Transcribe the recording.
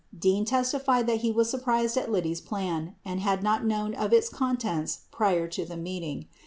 Dean testified that he was surprised at Liddy's plan and bad not known of its contents prior to the meeting.